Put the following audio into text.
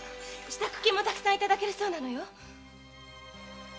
支度金もたくさん頂けるそうなのよ。